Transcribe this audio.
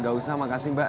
gak usah makasih bang